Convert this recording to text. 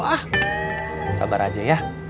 ah sabar aja ya